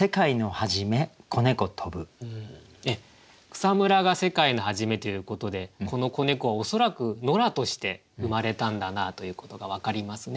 「草叢が世界の初め」ということでこの子猫は恐らく野良として生まれたんだなということが分かりますね。